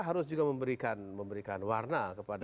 harus juga memberikan warna